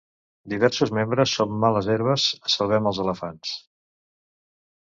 Diversos membres són males herbes. Salvem els elefants!